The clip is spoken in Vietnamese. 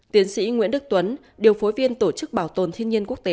tiến sĩ nguyễn đức tuấn điều phối viên tổ chức bảo tồn thiên nhiên quốc tế